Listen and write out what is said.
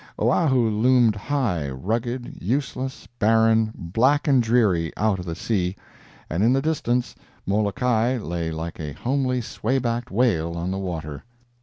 Oahu loomed high, rugged, useless, barren, black and dreary, out of the sea, and in the distance Molokai lay like a homely sway backed whale on the water.